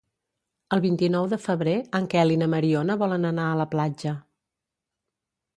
El vint-i-nou de febrer en Quel i na Mariona volen anar a la platja.